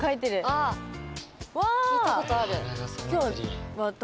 ああ聞いたことある。